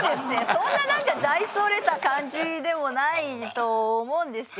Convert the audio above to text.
そんななんか大それた感じでもないと思うんですけどね。